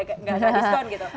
jadi diskon gitu